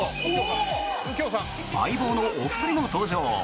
「相棒」のお二人も登場。